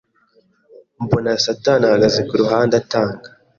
mbona satani ahagaze ku ruhande atanga